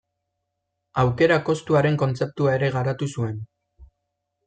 Aukera-kostuaren kontzeptua ere garatu zuen.